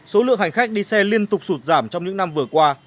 số lượng hành khách đi xe liên tục sụt giảm trong những năm vừa qua